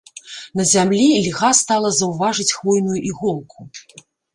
На зямлі льга стала заўважыць хвойную іголку.